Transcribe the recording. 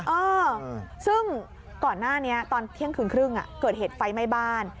เออซึ่งก่อนหน้านี้ตอนเที่ยงคืนครึ่งเกิดเหตุไฟไหม้บ้าน